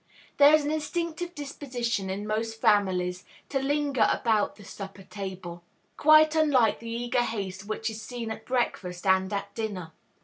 There is an instinctive disposition in most families to linger about the supper table, quite unlike the eager haste which is seen at breakfast and at dinner.